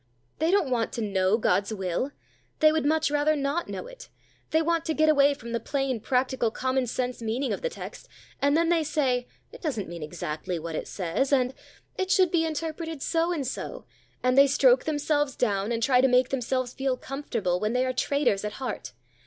They don't want to know God's will; they would much rather not know it. They want to get away from the plain, practical, common sense meaning of the text, and then they say, "It doesn't mean exactly what it says," and "It should be interpreted so and so;" and they stroke themselves down, and try to make themselves feel comfortable when they are traitors at heart.